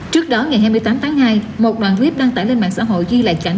trước đó ngày hai mươi tám tháng hai một đoạn clip đăng tải lên mạng xã hội ghi lại chặng